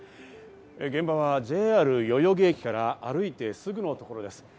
現場はＪＲ代々木駅から歩いてすぐのところです。